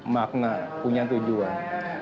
makna punya tujuan